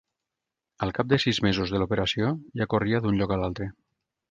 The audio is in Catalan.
Al cap de sis mesos de l'operació ja corria d'un lloc a l'altre.